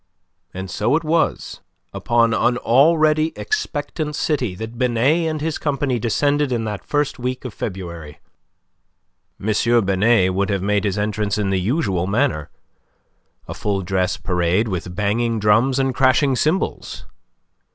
And so it was upon an already expectant city that Binet and his company descended in that first week of February. M. Binet would have made his entrance in the usual manner a full dress parade with banging drums and crashing cymbals.